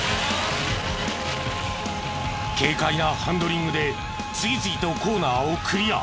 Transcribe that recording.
軽快なハンドリングで次々とコーナーをクリア。